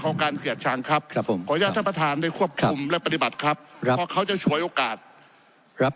ขอประท้วงครับขอประท้วงครับขอประท้วงครับขอประท้วงครับขอประท้วงครับ